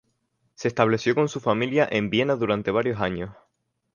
Se estableció con su familia en Viena durante varios años.